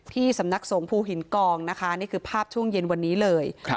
ที่สำนักสงภูหินกองนะคะนี่คือภาพช่วงเย็นวันนี้เลย